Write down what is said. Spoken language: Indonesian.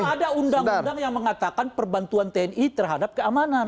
ada undang undang yang mengatakan perbantuan tni terhadap keamanan